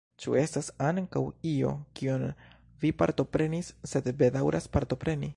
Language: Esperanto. Ĉu estas ankaŭ io, kion vi partoprenis, sed bedaŭras partopreni?